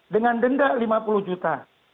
dengan denda lima puluh juta